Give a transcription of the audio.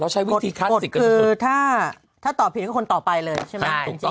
กฎคือถ้าตอบผิดก็คนต่อไปเลยใช่ไหม